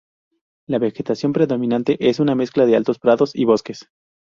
La vegetación predominante es una mezcla de altos prados y bosques.